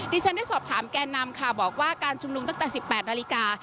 ฉันได้สอบถามแก่นำค่ะบอกว่าการชุมนุมตั้งแต่๑๘นาฬิกา